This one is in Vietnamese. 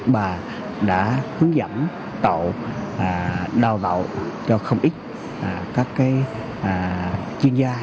và đã hướng dẫn tạo đào gạo cho không ít các chuyên gia